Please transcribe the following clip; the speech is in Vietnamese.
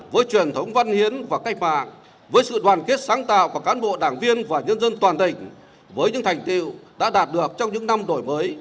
với truyền thống văn hiến và cách mạng với sự đoàn kết sáng tạo của cán bộ đảng viên và nhân dân toàn tỉnh với những thành tiệu đã đạt được trong những năm đổi mới